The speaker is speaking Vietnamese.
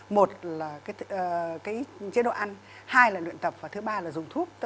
một là chế độ ăn hai là luyện tập và thứ ba là dùng thuốc